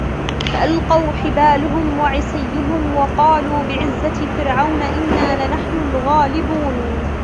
فألقوا حبالهم وعصيهم وقالوا بعزة فرعون إنا لنحن الغالبون